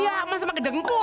ya iya masa pake dengkul